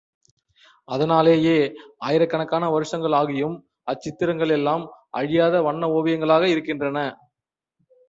அதனாலேயே ஆயிரக்கணக்கான வருஷங்கள் ஆகியும், அச்சித்திரங்கள் எல்லாம் அழியாத வண்ண ஓவியங்களாக இருக்கின்றன.